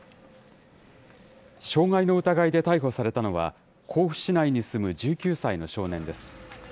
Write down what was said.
傷害の疑いで逮捕されたのは、甲府市内に住む１９歳の少年です。